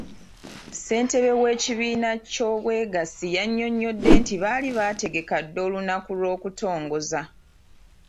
Ssentebe w'ekibiina ky'obwegassi yannyonnyodde nti baali baategeka dda olunaku lw'okutongoza.